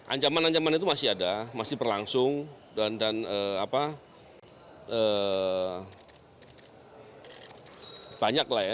ancaman ancaman itu masih ada masih berlangsung dan banyak lah ya